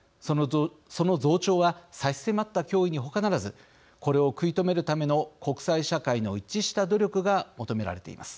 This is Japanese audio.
その増長は差し迫った脅威にほかならずこれを食い止めるための国際社会の一致した努力が求められています。